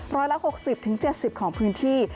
ร้อยละ๖๐๗๐ของพื้นที่